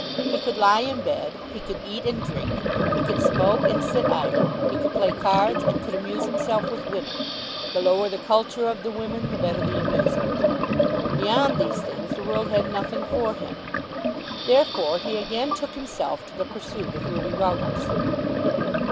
He could lie in bed. He could eat and drink. He could smoke and sit idle. He could play cards; and could amuse himself with women, the lower the culture of the women, the better the amusement. Beyond these things the world had nothing for him. Therefore he again took himself to the pursuit of Ruby Ruggles.